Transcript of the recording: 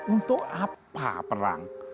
untuk apa perang